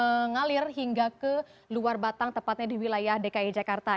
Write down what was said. mengalir hingga ke luar batang tepatnya di wilayah dki jakarta